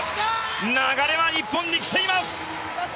流れは日本に来ています！